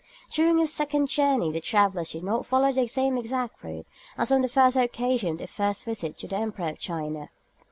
During this second journey the travellers did not follow exactly the same road as on the first occasion of their visit to the Emperor of China.